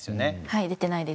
はい。